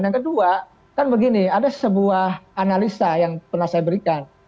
yang kedua kan begini ada sebuah analisa yang pernah saya berikan